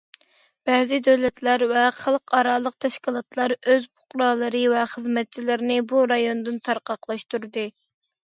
بەزى دۆلەتلەر ۋە خەلقئارالىق تەشكىلاتلار ئۆز پۇقرالىرى ۋە خىزمەتچىلىرىنى بۇ رايوندىن تارقاقلاشتۇردى.